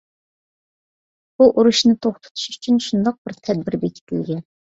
بۇ ئۇرۇشنى توختىتىش ئۈچۈن شۇنداق بىر تەدبىر بېكىتىلگەن.